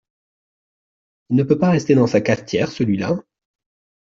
Il ne peut pas rester dans sa cafetière, celui-là !…